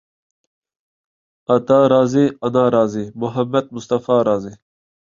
ئاتا رازى، ئانا رازى، مۇھەممەد مۇستافا رازى.